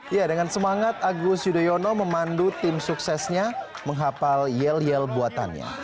ya dengan semangat agus yudhoyono memandu tim suksesnya menghapal yel yel buatannya